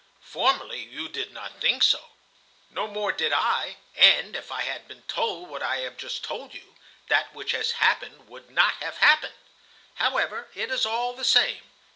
Formerly you did not think so. No more did I; and, if I had been told what I have just told you, that which has happened would not have happened. However, it is all the same.